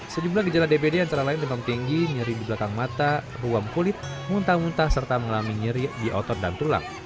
sejumlah gejala dpd antara lain demam tinggi nyeri di belakang mata ruam kulit muntah muntah serta mengalami nyeri di otot dan tulang